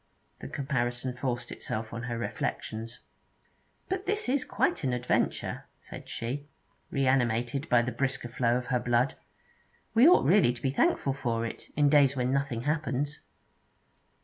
The comparison forced itself on her reflections. 'But this is quite an adventure,' said she, reanimated by the brisker flow of her blood. 'We ought really to be thankful for it, in days when nothing happens.'